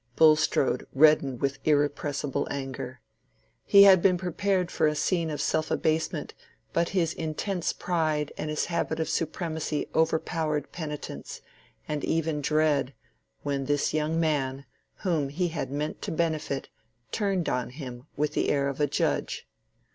Bulstrode reddened with irrepressible anger. He had been prepared for a scene of self abasement, but his intense pride and his habit of supremacy overpowered penitence, and even dread, when this young man, whom he had meant to benefit, turned on him with the air of a judge.